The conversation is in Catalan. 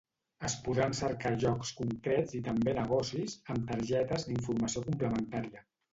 Es podran cercar llocs concrets i també negocis, amb targetes d'informació complementària.